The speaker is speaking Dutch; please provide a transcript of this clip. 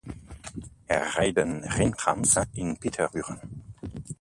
Er rijden geen trams in Pieterburen.